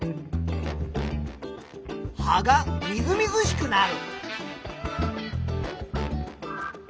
葉がみずみずしくなる。